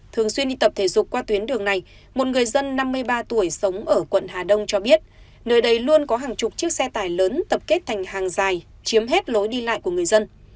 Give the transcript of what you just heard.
thường xuyên đi tập thể dục qua tuyến đường này một người dân năm mươi ba tuổi sống ở quận hà đông cho biết nơi đây luôn có hàng chục chiếc xe tải lớn tập kết thành hàng dài chiếm hết lối đi lại của người dân